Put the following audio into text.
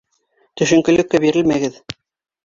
Төшөнкөлөккә бирелмәгеҙ!